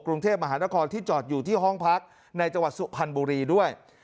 กรุงเทพมหานครที่จอดอยู่ที่ห้องพักในจังหวัดสุพรรณบุรีด้วย